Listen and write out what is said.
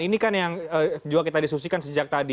ini kan yang juga kita diskusikan sejak tadi